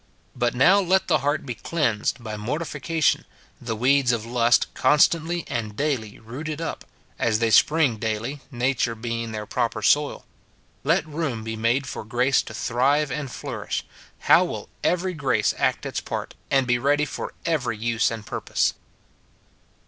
But now let the heart be cleansed by mortification, the weeds of lust constantly and daily rooted up (as they spring daily, nature being their proper soil), let room be made for grace to thrive and flourish, — how will every grace act its part, and be ready for every use and pur pose